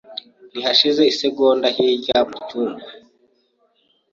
Ntihashize isegonda hirya mu cyumba